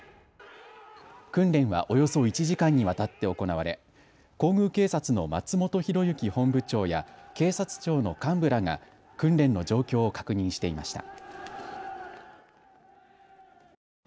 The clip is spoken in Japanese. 訓練はおよそ１時間にわたって行われ皇宮警察の松本裕之本部長や警察庁の幹部らが訓練の状況を確認していました。